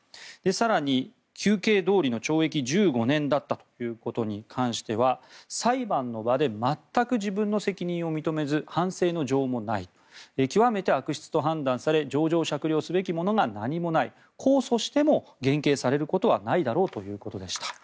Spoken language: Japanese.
更に、求刑どおりの懲役１５年だったということに関しては裁判の場で全く自分の責任を認めず反省の情もない極めて悪質と判断され情状酌量すべきものが何もない控訴しても減刑されることはないだろうということでした。